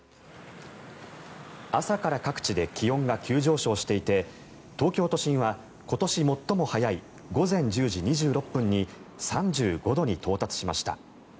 朝から各地で気温が急上昇していて東京都心は、今年最も早い午前１０時２６分に３５度に到達しました。